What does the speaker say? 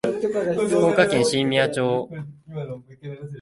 福岡県新宮町